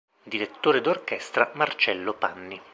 Direttore d'orchestra: Marcello Panni.